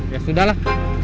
ya sudah lah